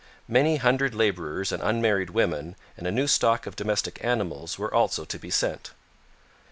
Many hundred labourers and unmarried women and a new stock of domestic animals were also to be sent.